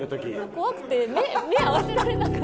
怖くて目合わせられなかった。